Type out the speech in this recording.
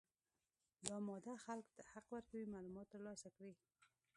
دا ماده خلکو ته حق ورکوي معلومات ترلاسه کړي.